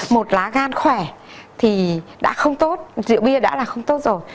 một lá gan khỏe thì đã không tốt rượu bia đã là không tốt rồi